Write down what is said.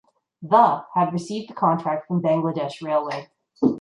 The had received the contract from Bangladesh Railway.